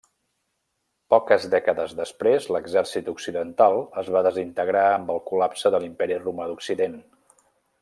Poques dècades després l'exèrcit occidental es va desintegrar amb el col·lapse de l'Imperi romà d'occident.